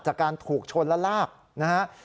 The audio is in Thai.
จากการถูกชนและลากนะฮะ